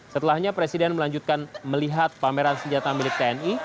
setelahnya presiden melanjutkan melihat pameran senjata milik tni